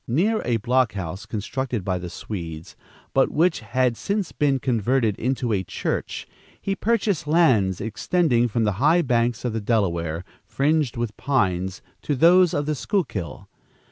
Near a block house constructed by the Swedes, but which had since been converted into a church, he purchased lands extending from the high banks of the Delaware, fringed with pines, to those of the Schuylkill.